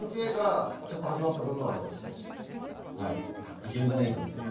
いけんじゃねえかみたいな。